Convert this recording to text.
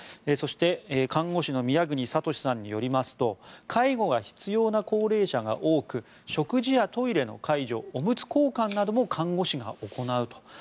そして看護師の宮國聡さんによりますと介護が必要な高齢者が多く食事やトイレの介助おむつ交換なども看護師が行うと。